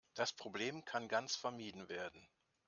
Das Problem kann ganz vermieden werden.